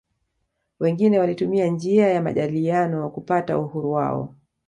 Wengine walitumia njia ya majadiliano kupata uhuru wao